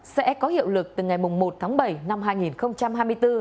sẽ có hiệu lực từ ngày một tháng bảy năm hai nghìn hai mươi bốn